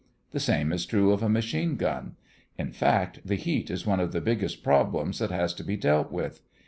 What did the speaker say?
The same is true of a machine gun. In fact, the heat is one of the biggest problems that has to be dealt with.